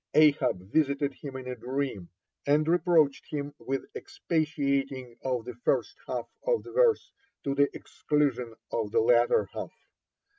Ahab visited him in a dream, and reproached him with expatiating on the first half of the verse to the exclusion of the latter half.